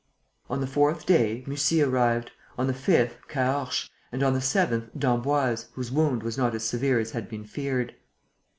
On the fourth day, Mussy arrived; on the fifth, Caorches; and, on the seventh, d'Emboise, whose wound was not as severe as had been feared.